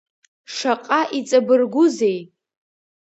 Шаҟа иҵабыргәузеи!